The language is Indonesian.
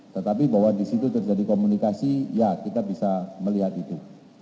tetapi bahwa di situ terjadi komunikasi ya kita bisa melihat itu